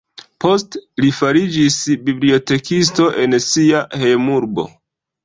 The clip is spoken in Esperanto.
Poste li fariĝis bibliotekisto en sia hejmurbo.